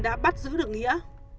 đã bắt giữ được nghĩa